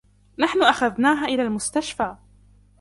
نحن أخذناها إلي المستشفي.